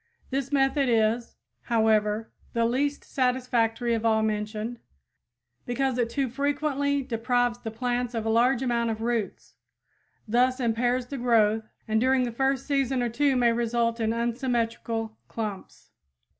This method is, however, the least satisfactory of all mentioned, because it too frequently deprives the plants of a large amount of roots, thus impairs the growth, and during the first season or two may result in unsymmetrical clumps.